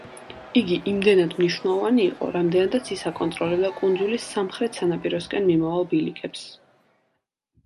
იგი იმდენად მნიშვნელოვანი იყო, რამდენადაც ის აკონტროლებდა კუნძულის სამხრეთ სანაპიროსკენ მიმავალ ბილიკებს.